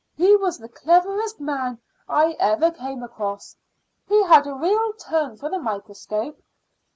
"He was the cleverest man I ever came across. He had a real turn for the microscope."